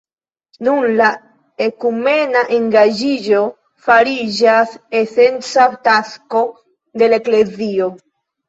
Nun la ekumena engaĝiĝo fariĝas esenca tasko de la eklezio.